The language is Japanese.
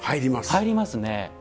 入りますね。